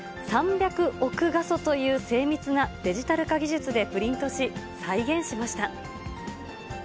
３００億画素という精密なデジタル化技術でプリントし、再現しま